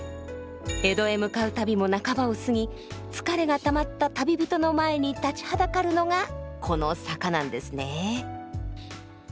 江戸へ向かう旅も半ばを過ぎ疲れがたまった旅人の前に立ちはだかるのがこの坂なんですねえ。